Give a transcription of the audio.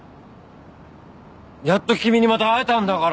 やっと君にまた会えたんだから！